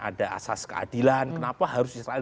ada asas keadilan kenapa harus israel